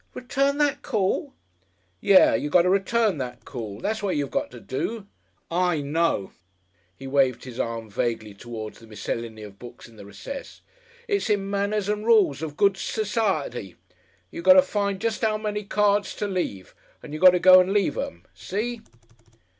"Return that call!" "Yes, you got to return that call. That's what you got to do! I know " He waved his arm vaguely towards the miscellany of books in the recess. "It's in Manners and Rools of Good S'ity. You got to find jest 'ow many cards to leave and you got to go and leave 'em. See?"